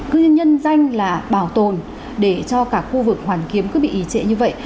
cứ nhân danh là bảo tồn để cho cả khu vực hoàn kiếm cứ bị ị trệ như vậy